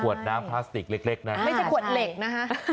กวดน้ำคลาสติกเล็กไม่ใช่กวดเหล็กนะคะ